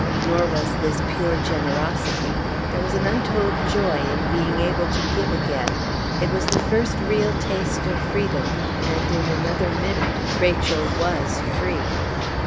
Nor was this pure generosity. There was an untold joy in being able to give again. It was the first real taste of freedom; and in another minute Rachel was free.